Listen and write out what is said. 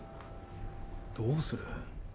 どうする？